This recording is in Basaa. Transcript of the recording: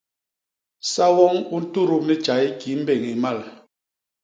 Sa woñ u ntudup ni tjay kii mbéñ i mmal.